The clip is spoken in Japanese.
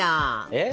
えっ？